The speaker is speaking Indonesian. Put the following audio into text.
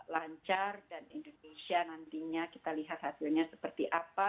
lancar dan indonesia nantinya kita lihat hasilnya seperti apa